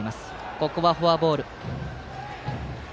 ここはフォアボール。